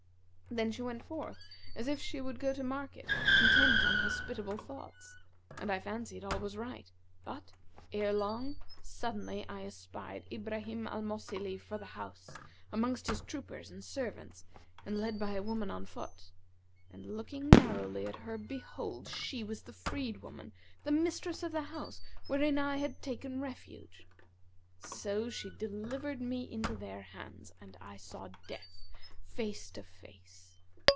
Then she went forth, as if she would go to market intent on hospitable thoughts, and I fancied all was right; but, ere long, suddenly I espied Ibrahim al Mosili[FN#156] for the house amongst his troopers and servants, and led by a woman on foot; and looking narrowly at her behold, she was the freed woman, the mistress of the house, wherein I had taken refuge. So she delivered me into their hands, and I saw death face to face.